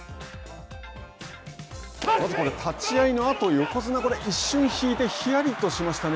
まずこれ、立ち合いのあと横綱、一瞬引いて、ひやりとしましたね。